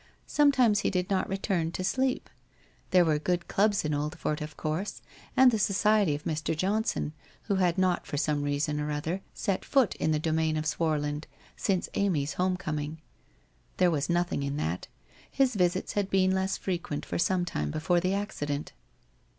Sometimes he did not return to sleep. There were good clubs in Oldfort, of course, and the society of Mr. Johnson, who had not for some reason or other, set foot in the domain of Swarland since Amy's home coming. There was nothing in that. His visits had been less frequent, for some time before the accident.